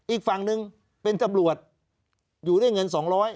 อีกฝั่งหนึ่งเป็นตำรวจอยู่ด้วยเงิน๒๐๐